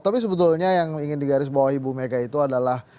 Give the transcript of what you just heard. tapi sebetulnya yang ingin digarisbawahi bu mega itu adalah